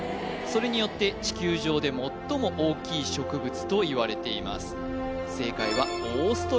それによって地球上で最も大きい植物といわれています河野ゆかり